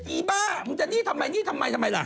อีบ้ามึงจะนี่ทำไมนี่ทำไมทำไมล่ะ